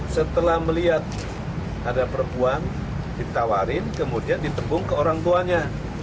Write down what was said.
setelah melihat ada perempuan ditawarin kemudian ditebung ke orang tuanya